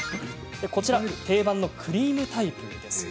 こちら、定番のクリームタイプ。